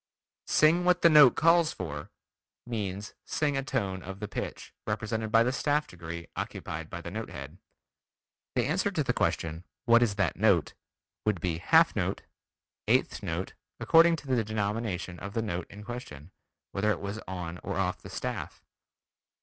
"Sing what the note calls for" means, sing a tone of the pitch represented by the staff degree occupied by the note head. The answer to the question: "What is that note?" would be "half note," "eighth note" according to the denomination of the note in question, whether it was on or off the staff.